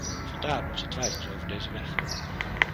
Vandaar onze twijfels over deze weg.